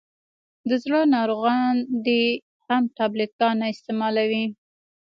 دزړه ناروغان دي هم ټابلیټ کا نه استعمالوي.